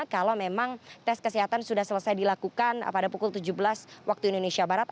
kalau memang tes kesehatan sudah selesai dilakukan pada pukul tujuh belas waktu indonesia barat